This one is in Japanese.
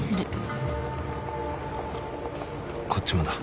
「こっちもだ。